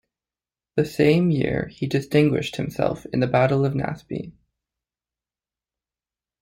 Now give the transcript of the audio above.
The same year he distinguished himself in the Battle of Naseby.